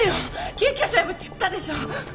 救急車呼ぶって言ったでしょ？